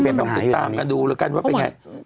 ต้องติดตามกันดูแล้วกันว่าเป็นไง